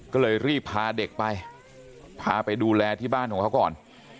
ก็เลยรีบพาเด็กไปพาไปดูแลที่บ้านของเขาก่อน